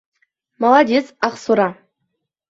Маладис, Аҡсура!